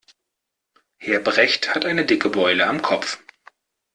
Herr Brecht hat eine dicke Beule am Kopf.